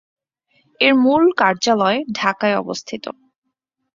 এর মূল কার্যালয় ঢাকায় অবস্থিত।